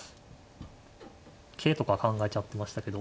桂とか考えちゃってましたけど。